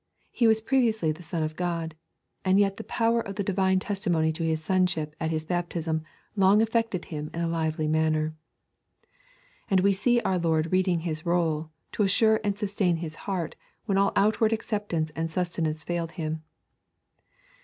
He was previously the Son of God, and yet the power of the Divine testimony to His Sonship at His baptism long affected Him in a lively manner.' And we see our Lord reading His roll to assure and sustain His heart when all outward acceptance and sustenance failed Him.